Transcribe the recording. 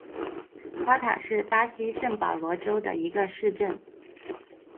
夸塔是巴西圣保罗州的一个市镇。